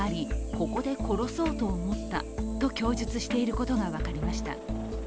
ここで殺そうと思ったと供述していることが分かりました。